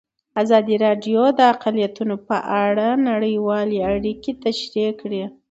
ازادي راډیو د اقلیتونه په اړه نړیوالې اړیکې تشریح کړي.